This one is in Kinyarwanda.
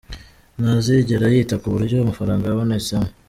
Nta zigera yita ku buryo amafaranga yabonetsemo.